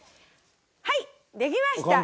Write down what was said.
はいできました！